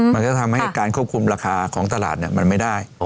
มันจะทำให้การควบคุมราคาของตลาดมันไม่ได้